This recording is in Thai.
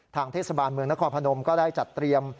ทางเทศบาลเมืองนครพนมก็ได้จัดเตรียม